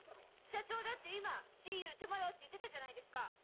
社長だって今シーユートゥモローって言ってたじゃないですか！